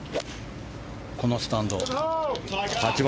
このスタンド。